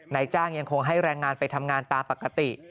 นายจ้างยังคงให้แรงงานไปทำงานตามปกติ